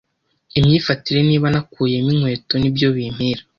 imyifatire niba nakuyemo inkweto nibyo bimpira